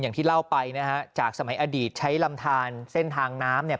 อย่างที่เล่าไปนะฮะจากสมัยอดีตใช้ลำทานเส้นทางน้ำเนี่ย